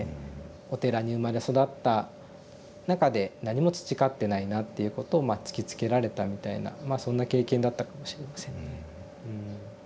お寺に生まれ育った中で何も培ってないなっていうことをまあ突きつけられたみたいなまあそんな経験だったかもしれませんね。